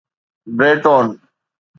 بريٽون